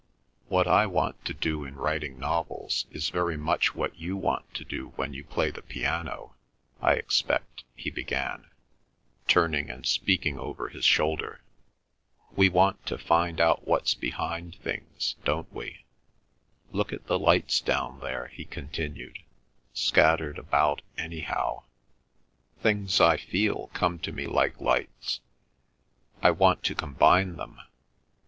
"What I want to do in writing novels is very much what you want to do when you play the piano, I expect," he began, turning and speaking over his shoulder. "We want to find out what's behind things, don't we?—Look at the lights down there," he continued, "scattered about anyhow. Things I feel come to me like lights. ... I want to combine them.